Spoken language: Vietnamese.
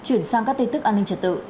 chuyển sang các tin tức an ninh trật tự